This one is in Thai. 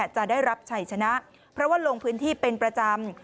จะได้รับชัยชนะเพราะว่าลงพื้นที่เป็นประจำ